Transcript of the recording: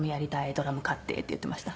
ドラム買って」って言ってました。